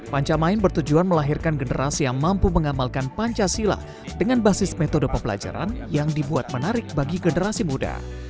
pancamain bertujuan melahirkan generasi yang mampu mengamalkan pancasila dengan basis metode pembelajaran yang dibuat menarik bagi generasi muda